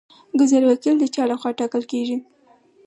ګذر وکیل د چا لخوا ټاکل کیږي؟